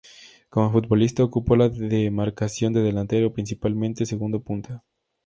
Como futbolista, ocupó la demarcación de delantero, principalmente segundo punta.